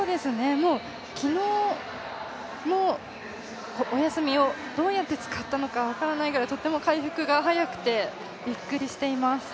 昨日のお休みをどうやって使ったのか分からないぐらいとっても回復が早くて、びっくりしています。